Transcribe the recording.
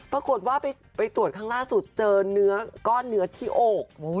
ปรากฏว่าไปตรวจครั้งล่าสุดเจอเนื้อก้อนเนื้อที่อก